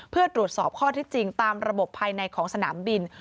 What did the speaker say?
เพื่อตรวจสอบข้อที่จริงตามระบบภายในของสนามบิน